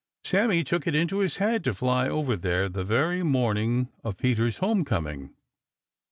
Sammy took it into his head to fly over there the very morning of Peter's home coming.